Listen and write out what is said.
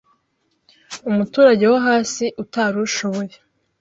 umuturage wohasi utarushoboye